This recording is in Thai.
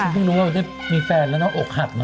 พึ่งนุ่มว่ามีแฟนแล้วเนอะอกหักนะ